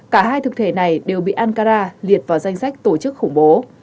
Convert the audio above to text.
cả hai thực thể này đều bị ankara liệt vào danh sách tổ chức khủng bố